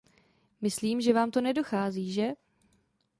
Myslím, že vám to nedochází, že?